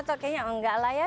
atau kayaknya enggak lah ya